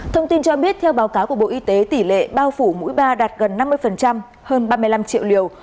thông tin cho biết theo báo cáo của bộ y tế tỷ lệ bao phủ mũi ba đạt gần năm mươi hơn ba mươi năm triệu liều